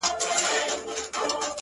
سپينه كوتره په هوا كه او باڼه راتوی كړه؛